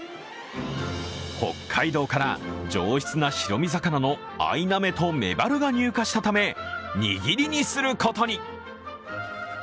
北海道から上質な白身魚のアイナメとメバルが入荷したため、握りにすることに。